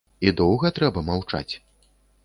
І доўга трэба маўчаць?